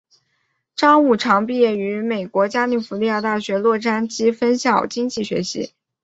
张五常毕业于美国加利福尼亚大学洛杉矶分校经济学系。